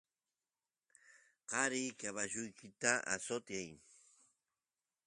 qari caballut asutiy